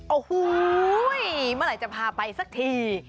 โอ้โฮมาลังจะพาไปสักที